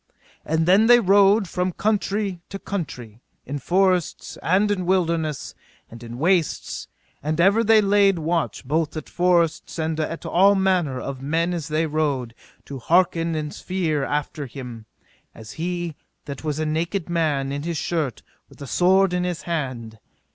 And then they rode from country to country, in forests, and in wilderness, and in wastes; and ever they laid watch both at forests and at all manner of men as they rode, to hearken and spere after him, as he that was a naked man, in his shirt, with a sword in his hand.